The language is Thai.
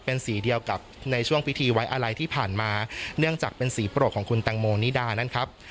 เป็นสีเดียวกับในช่วงพิธีไว้อะไรที่ผ่านมาเนื่องจากเป็นสีโปรดของคุณแตงโมนิดานั่นครับ